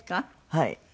はい。